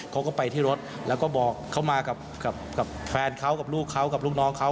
เขาก็ไปที่รถแล้วก็บอกเขามากับแฟนเขากับลูกเขากับลูกน้องเขา